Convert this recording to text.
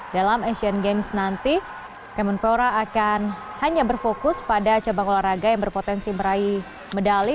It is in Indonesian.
dalam asian games nanti kemenpora akan hanya berfokus pada cabang olahraga yang berpotensi meraih medali